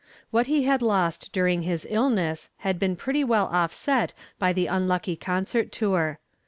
What he had lost during his illness had been pretty well offset by the unlucky concert tour.